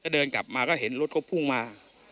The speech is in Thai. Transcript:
เดินกลับมาก็เห็นรถเขาพุ่งมา